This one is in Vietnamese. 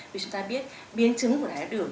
vì chúng ta biết biến chứng của tài thao đường